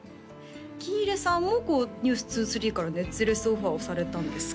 喜入さんもこう「ｎｅｗｓ２３」から熱烈オファーをされたんですか？